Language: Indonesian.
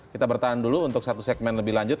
kita bertahan dulu untuk satu segmen lebih lanjut